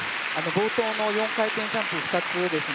冒頭の４回転ジャンプ２つですね